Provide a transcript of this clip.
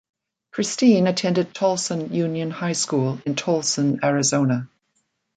Christine attended Tolleson Union High School in Tolleson, Arizona.